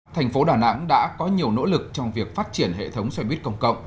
thành phố đà nẵng đã có nhiều nỗ lực trong việc phát triển hệ thống xe buýt công cộng